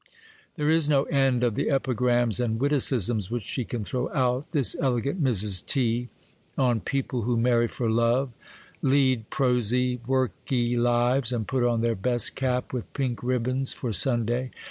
There is no end of the epigrams and witticisms which she can throw out, this elegant Mrs. T., on people who marry for love, lead prosy, worky lives, and put on their best cap with pink ribbons for Sunday.